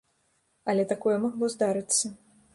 Але такое магло здарыцца.